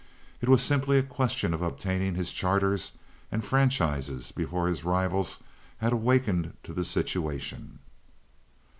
It was simply a question of obtaining his charters and franchises before his rivals had awakened to the situation.